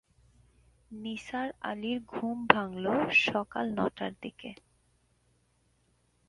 নিসার আলির ঘুম ভাঙল সকাল নটার দিকে।